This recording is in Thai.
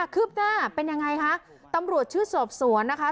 ืบหน้าเป็นยังไงคะตำรวจชื่อสอบสวนนะคะ